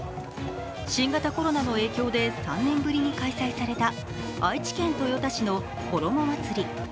新型コロナの影響で３年ぶりに開催された愛知県豊田市の挙母祭り。